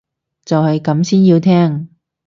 就係咁先要聽